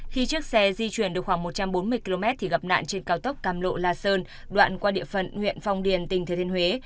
khi chiếc xe di chuyển được khoảng một trăm bốn mươi km thì gặp nạn trên cao tốc cam lộ la sơn đoạn qua địa phận huyện phong điền tỉnh thừa thiên huế